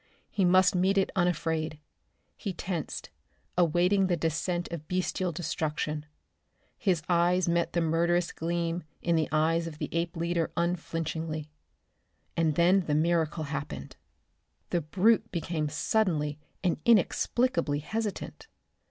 He must meet it unafraid. He tensed, awaiting the descent of bestial destruction. His eyes met the murderous gleam in the eyes of the ape leader unflinchingly. And then the miracle happened. The brute became suddenly and inexplicably hesitant.